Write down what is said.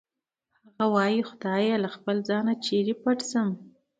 هغه وایی خدایه له خپله ځانه چېرې پټ شم